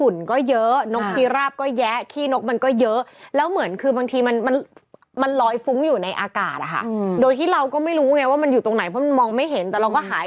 โตรประมาณภรรยาภัณฐ์ของพี่อ๋าก็น่าตกใจ